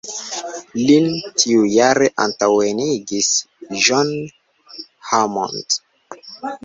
Lin tiujare antaŭenigis John Hammond.